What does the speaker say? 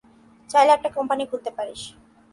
চাইলে একটা কোম্পানি খুলতে পারিস।